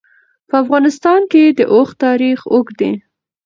په افغانستان کې د اوښ تاریخ اوږد دی.